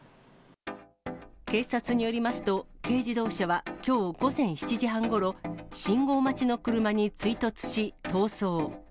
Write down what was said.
警察によりますと、軽自動車は、きょう午前７時半ごろ、信号待ちの車に追突し逃走。